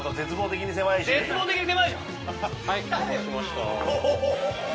はいお待たせしました。